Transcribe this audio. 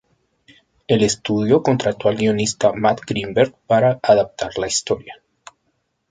El estudio contrató al guionista Matt Greenberg para adaptar la historia.